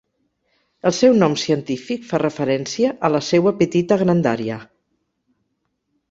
El seu nom científic fa referència a la seua petita grandària.